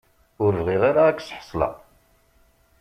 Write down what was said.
Ur bɣiɣ ara ad k-ssḥeṣleɣ.